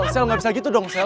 sel nggak bisa gitu dong sel